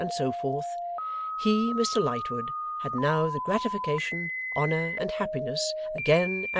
and so forth, he, Mr Lightwood, had now the gratification, honour, and happiness, again &c.